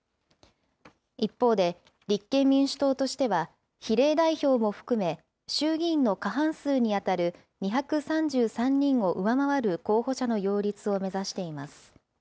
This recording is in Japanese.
一方で、立憲民主党としては、比例代表も含め、衆議院の過半数に当たる２３３人を上回る候補者の擁立を目指しています。